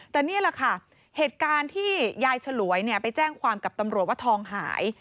แต่นี่แหละค่ะเหตุการณ์ที่ยายฉลวยไปแจ้งความกับตำรวจว่าทองหาย